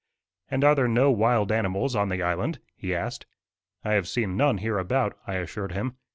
"And are there no wild animals on the island?" he asked. "I have seen none hereabout," I assured him.